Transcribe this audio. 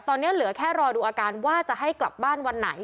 ตอนนี้เหลือแค่รอดูอาการว่าจะให้กลับบ้านวันไหน